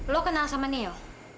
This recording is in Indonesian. lo kenal sama neo